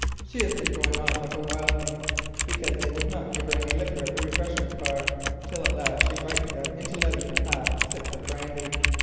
She has been going on like a wild thing because they would not give her any liquor at the refreshment bar, till at last she frightened them into letting her have six of brandy.